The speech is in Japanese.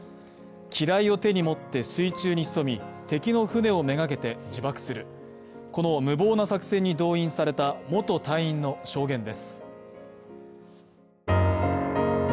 機雷を手に持って水中に潜み、敵の船を目がけて自爆する、この無謀な作戦に動員された元隊員の証言です。